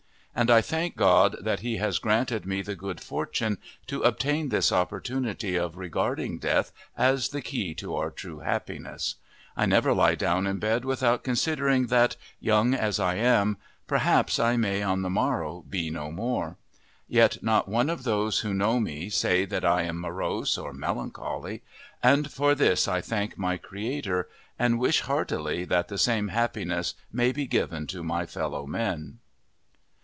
And I thank God that He has granted me the good fortune to obtain this opportunity of regarding death as the key to our true happiness. I never lie down in bed without considering that, young as I am, perhaps I may on the morrow be no more. Yet not one of those who know me say that I am morose or melancholy, and for this I thank my Creator and wish heartily that the same happiness may be given to my fellow men.